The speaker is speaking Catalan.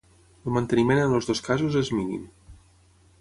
El manteniment en els dos casos és mínim.